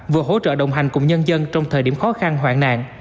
vừa hỗ trợ đồng hành cùng nhân dân trong thời điểm khó khăn hoạn nạn